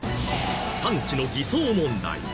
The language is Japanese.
産地の偽装問題